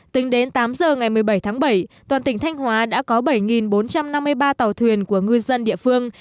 tính đến tám giờ ngày một mươi bảy tháng bảy toàn tỉnh thanh hóa đã có bảy bốn trăm năm mươi ba tàu thuyền của ngư dân địa phương